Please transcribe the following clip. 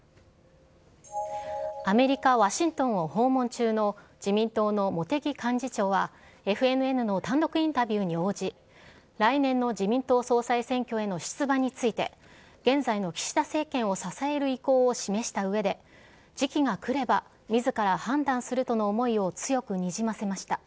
アメリカ・ワシントンを訪問中の自民党の茂木幹事長は、ＦＮＮの単独インタビューに応じ、来年の自民党総裁選挙への出馬について、現在の岸田政権を支える意向を示したうえで、時期が来ればみずから判断するとの思いを強くにじませました。